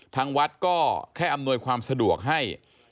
ทางวัดก็แค่อำนวยความสะดวกให้